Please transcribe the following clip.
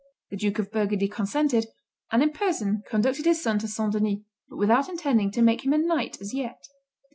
The Duke of Burgundy consented, and, in person, conducted his son to St. Denis, but without intending to make him a knight as yet.